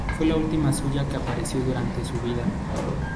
Fue la última suya que apareció durante su vida.